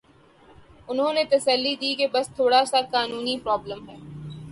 انہوں نے تسلی دی کہ بس تھوڑا سا قانونی پرابلم ہے۔